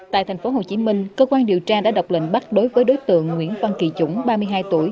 tại tp hcm cơ quan điều tra đã đọc lệnh bắt đối với đối tượng nguyễn văn kỳ dũng ba mươi hai tuổi